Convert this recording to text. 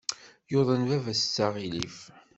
Yuḍen baba-s aɣilif.